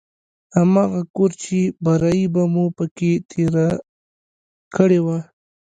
هماغه کور چې برايي به مو په کښې تېره کړې وه.